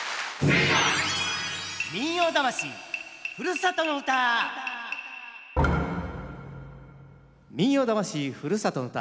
「民謡魂ふるさとの唄」。